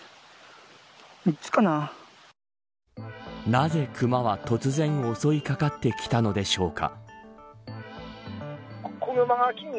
なぜクマは突然襲いかかってきたのでしょうか。